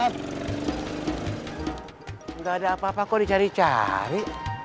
tidak ada apa apa kok dicari cari